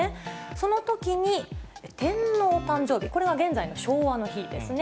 そのときに天皇誕生日、これは現在の昭和の日ですね。